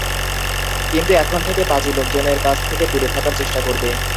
কিন্তু এখন থেকে পাজি লোকজনের কাছ থেকে দূরে থাকার চেষ্টা করবে।